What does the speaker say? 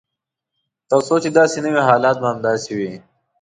تر څو چې داسې نه وي حالات به همداسې وي.